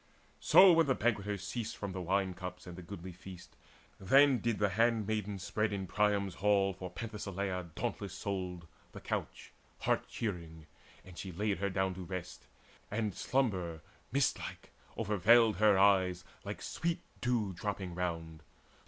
So when the banqueters Ceased from the wine cup and the goodly feast, Then did the handmaids spread in Priam's halls For Penthesileia dauntless souled the couch Heart cheering, and she laid her down to rest; And slumber mist like overveiled her eyes [depths Like sweet dew dropping round.